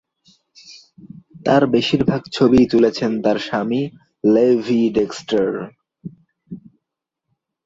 তার বেশিরভাগ ছবিই তুলেছেন তার স্বামী লেভি ডেক্সটার।